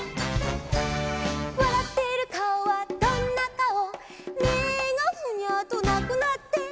「わらってるかおはどんなかお」「目がフニャーとなくなって」